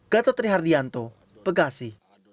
gatotri hardianto bekasi